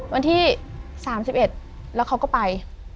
วันที่๓๑แล้วเขาก็ไป